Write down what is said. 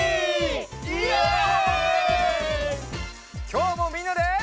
きょうもみんなで。